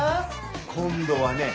今度はね